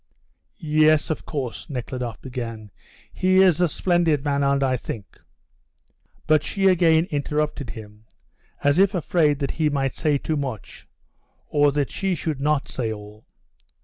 "Yes, of course," Nekhludoff began. "He is a splendid man, and I think " But she again interrupted him, as if afraid that he might say too much or that she should not say all.